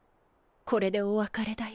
これでお別れだよ。